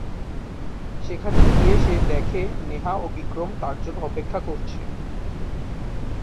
সেখানে গিয়ে সে দেখে নেহা ও বিক্রম তার জন্য অপেক্ষা করছে।